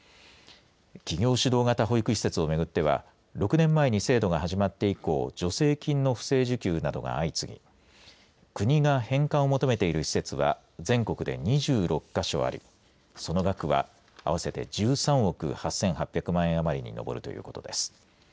企業主導型保育施設を巡っては６年前に制度が始まって以降助成金の不正受給などが相次ぎ国が返還を求めている施設は全国で２６か所ありその額は合わせて１３億８８００万円余りに上るということです。